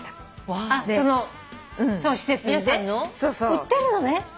売ってるのね？